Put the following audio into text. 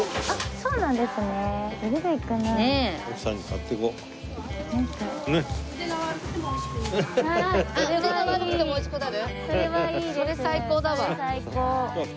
それ最高だわ。